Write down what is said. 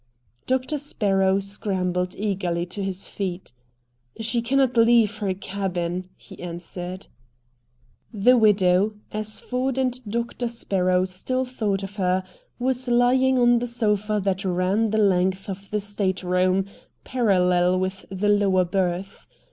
Doctor Sparrow scrambled eagerly to his feet. "She cannot leave her cabin," he answered. The widow, as Ford and Doctor Sparrow still thought of her, was lying on the sofa that ran the length of the state room, parallel with the lower berth.